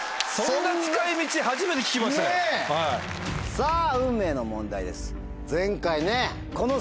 さぁ運命の問題です。